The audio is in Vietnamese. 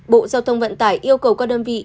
bộ giao thông vận tải yêu cầu các đơn vị